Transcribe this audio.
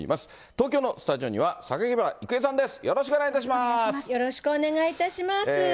東京のスタジオには榊原郁恵さんです。